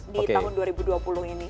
di tahun dua ribu dua puluh ini